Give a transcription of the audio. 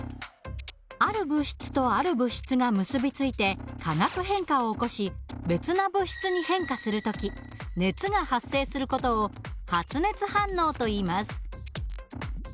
ある物質とある物質が結び付いて化学変化を起こし別な物質に変化する時熱が発生する事を発熱反応といいます。